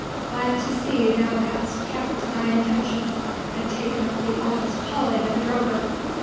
Glad to see that thou hast kept to thy intention, and taken up the honest calling of a drover.